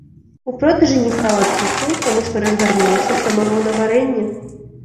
У продажы не стала цукру, таму што разгарнулася самагонаварэнне.